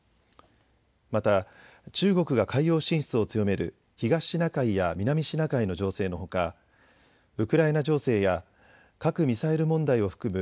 また中国が海洋進出を強める東シナ海や南シナ海の情勢のほかウクライナ情勢や核・ミサイル問題を含む